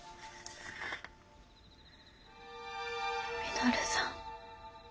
稔さん。